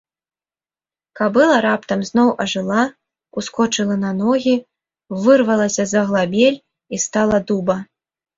Кабыла раптам зноў ажыла, ускочыла на ногі, вырвалася з аглабель і стала дуба.